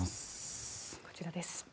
こちらです。